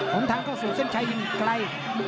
ผมทางเข้าสู่เส้นชายยิ่งไกล